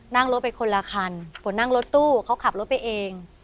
นั่งรถไปคนละคันฝนนั่งรถตู้เขาขับรถไปเอง